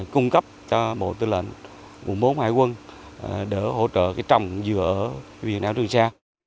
cung cấp cho bộ tư lệnh bộ bốn hải quân đỡ hỗ trợ trồng dừa ở viện đảo trường xa